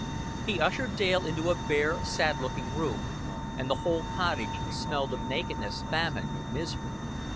He ushered Dale into a bare, sad looking room; and the whole cottage smelled of nakedness, famine, misery.